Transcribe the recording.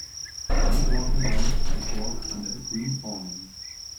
A man walking down the sidewalk under a green awning.